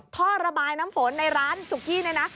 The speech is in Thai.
ท่อระบายน้ำฝนในร้านสุกี้เนี่ยนะ